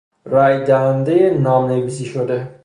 رایدهندهی نام نویسی شده